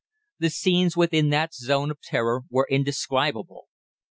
The scenes within that zone of terror were indescribable.